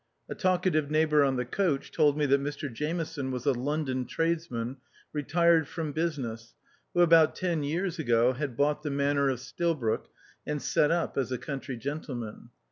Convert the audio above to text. A talk ative neighbour on the coach told me that Mr Jameson was a London tradesman re tired from business, who about ten years ago had bought the manor of Stilbroke, and set up as a country gentleman.